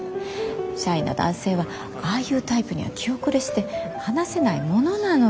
シャイな男性はああいうタイプには気後れして話せないものなのよ。